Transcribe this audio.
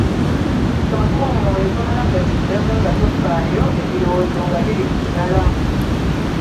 Ssako omwoyo, tomala gakiddamu nga tofaayo, ebirowoozo nga biri ku kirala.